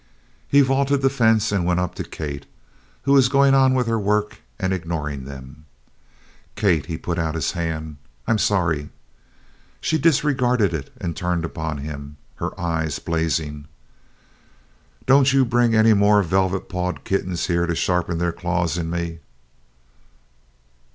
He vaulted the fence and went up to Kate, who was going on with her work and ignoring them. "Kate," he put out his hand, "I'm sorry." She disregarded it and turned upon him, her eyes blazing: "Don't you bring any more velvet pawed kittens here to sharpen their claws in me!"